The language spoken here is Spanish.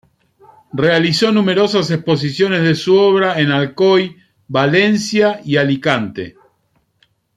Realizó numerosas exposiciones de su obra en Alcoy, Valencia y Alicante.